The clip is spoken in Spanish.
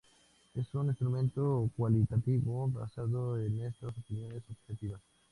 Es un instrumento cualitativo basado en estas opiniones subjetivas.